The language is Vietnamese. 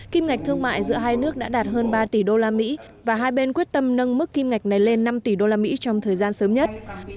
kim ngạch thương mại giữa hai nước đã đạt hơn ba tỷ đô la mỹ và hai bên quyết tâm nâng mức kim ngạch này lên năm tỷ đô la mỹ trong thời gian sớm nhất